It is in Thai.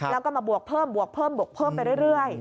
แล้วก็มาบวกเพิ่มบวกเพิ่มบวกเพิ่มไปเรื่อย